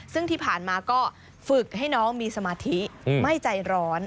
ซึ่งที่ผ่านมาก็ฝึกให้น้องมีสมาธิไม่ใจร้อน